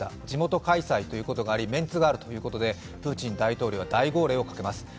地元開催ということがあり、メンツがあるということで、プーチン大統領が大号令をかけます。